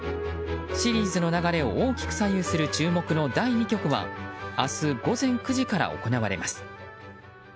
シリーズの流れを大きく左右する注目の第２局は明日午前９時から行われます。